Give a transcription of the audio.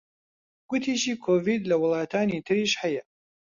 گوتیشی کۆڤید لە وڵاتانی تریش هەیە